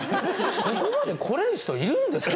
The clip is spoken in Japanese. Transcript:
ここまで来れる人いるんですか？